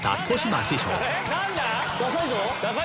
ダサいぞ！